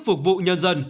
phục vụ nhân dân